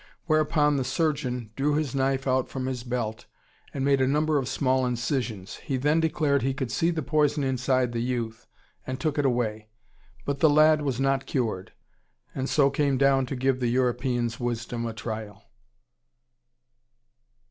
Whereupon the "surgeon" drew his knife out from his belt and made a number of small incisions. He then declared he could see the poison inside the youth, and took it away. But the lad was not cured, and so came down to give the European's wisdom a trial.